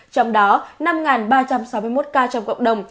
trong đó năm ba trăm sáu mươi một ca trong cộng đồng